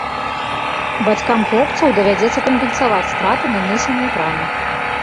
Бацькам хлопцам давядзецца кампенсаваць страты, нанесеныя краме.